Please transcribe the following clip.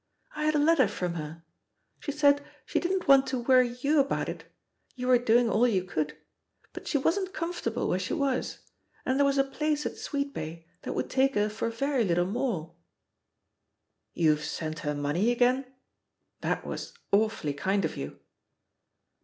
I had a letter from hen She said she didn't want to worry you about it — you were doing all you could — but she wasi^'t comfortable where she was, and there was a place at Sweetbay that would take her for very little more." "YouVe sent her money again? That was awfully kind of you."